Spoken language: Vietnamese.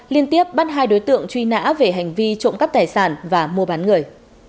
liên tiếp bắt hai đối tượng truy nã về hành vi trộm cắp tài sản và mua bán người